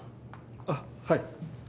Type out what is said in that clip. あっはい。